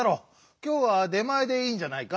きょうは出まえでいいんじゃないか？